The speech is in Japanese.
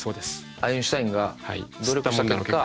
アインシュタインが努力した結果。